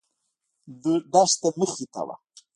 دښته مخې ته وه.